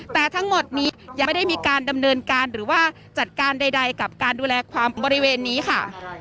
แต่ทั้งหมดนี้ยังไม่ได้มีการดำเนินการหรือว่าจัดการใดกับการดูแลความบริเวณนี้ค่ะ